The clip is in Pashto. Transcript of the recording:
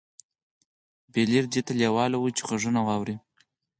بليير دې ته لېوال و چې غږونه واوري.